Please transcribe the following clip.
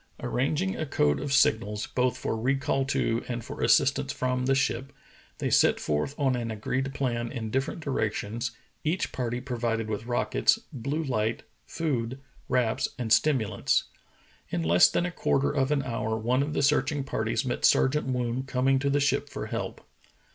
Arranging a code of signals, both for recall to and for assistance from the ship, they set forth on an agreed plan in different directions, each party provided with rockets, blue light, food, wraps, and stimulants. In less than a quarter of an hour one of the searching parties met Sergeant Woon coming to the ship for help.